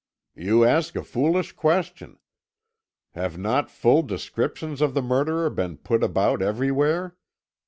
"You ask a foolish question. Have not full descriptions of the murderer been put about everywhere?